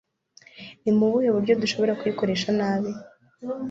ni mu buhe buryo dushobora kuyikoresha nabi